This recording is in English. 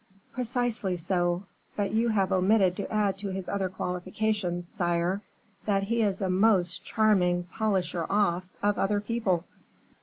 "Precisely so; but you have omitted to add to his other qualifications, sire, that he is a most charming polisher off of other people."